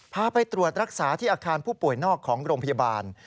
ไปตรวจรักษาที่อาคารผู้ป่วยนอกของโรงพยาบาล